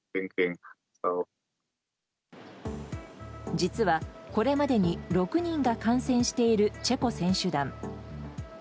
実はこれまでに６人が感染している、チェコ選手団。